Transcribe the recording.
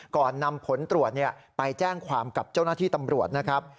ก่อนนำผลตรวจไปแจ้งความกับเจ้าหน้าที่ตำรวจนะครับ